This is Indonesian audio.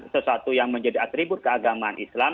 sesuatu yang menjadi atribut keagamaan islam